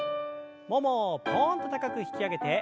ももをぽんと高く引き上げて。